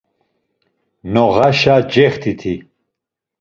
Noğaşa cext̆iti?